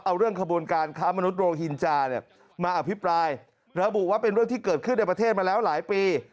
เอาเรื่องขบวนการค้ามนุษยโรฮินจาเนี่ยมาอภิปรายระบุว่าเป็นเรื่องที่เกิดขึ้นในประเทศมาแล้วหลายปี